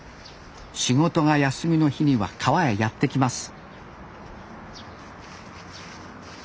仕事が休みの日には川へやって来ます